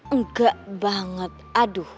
enggak banget aduh